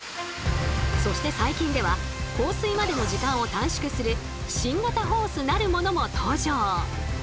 そして最近では放水までの時間を短縮する新型ホースなるものも登場。